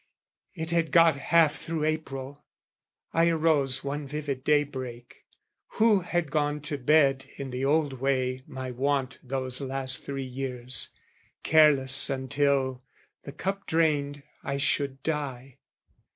It had got half through April. I arose One vivid daybreak, who had gone to bed In the old way my wont those last three years, Careless until, the cup drained, I should die.